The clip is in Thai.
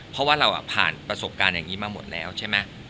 เพราะว่าเราผ่านประสบการณ์อย่างนี้มาหมดแล้วใช่ไหม